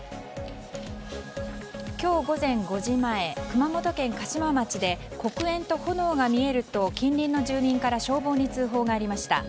今日午前５時前熊本県嘉島町で黒煙と炎が見えると近隣の住民から消防に通報がありました。